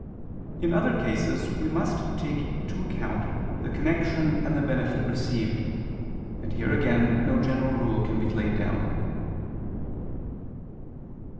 In other cases we must take to account the connection and the benefit received; and here again no general rule can laid down.